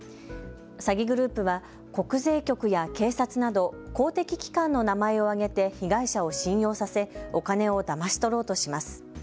詐欺グループは国税局や警察など公的機関の名前を挙げて被害者を信用させ、お金をだまし取ろうとします。